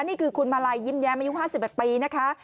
นี่คือคุณมาลัยยิ้มแย้มอายุ๕๑ปีนะคะ